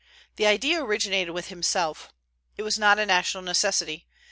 The idea originated with himself. It was not a national necessity.